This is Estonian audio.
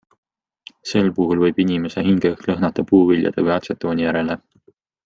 Sel puhul võib inimese hingeõhk lõhnata puuviljade või atsetooni järele.